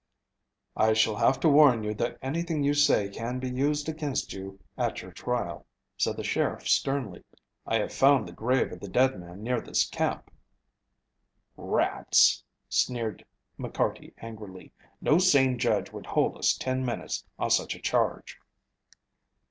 "I shall have to warn you that anything you say can be used against you at your trial," said the sheriff sternly. "I have found the grave of the dead man near this camp." "Rats!" sneered McCarty angrily. "No sane judge would hold us ten minutes on such a charge."